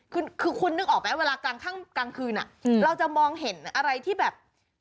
คือคุณนึกออกไหมเวลากลางคืนเราจะมองเห็นอะไรที่แบบ